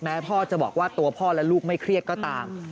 พ่อจะบอกว่าตัวพ่อและลูกไม่เครียดก็ตาม